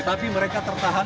tapi mereka tertahan